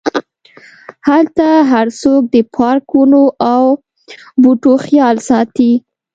هلته هرڅوک د پارک، ونو او بوټو خیال ساتي.